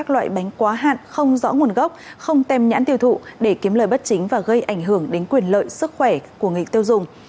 các loại bánh quá hạn không rõ nguồn gốc không tem nhãn tiêu thụ để kiếm lời bất chính và gây ảnh hưởng đến quyền lợi sức khỏe của người tiêu dùng